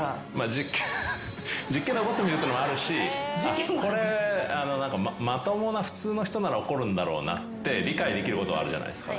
実験で怒ってみるっていうのもあるしこれまともな普通の人なら怒るんだろうなって理解できることはあるじゃないですか。